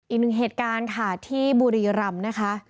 อีกหนึ่งเหตุการณ์ค่ะที่บุรีรำนะคะ